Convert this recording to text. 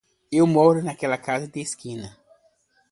Eu moro naquela casa de esquina.